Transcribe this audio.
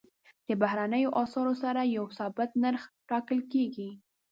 د بهرنیو اسعارو سره یو ثابت نرخ ټاکل کېږي.